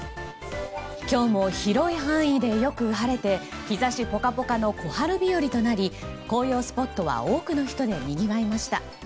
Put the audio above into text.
今日も広い範囲でよく晴れて日差しポカポカの小春日和となり紅葉スポットは多くの人でにぎわいました。